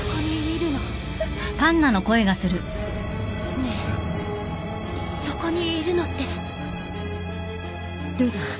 ねえそこにいるのってルナ？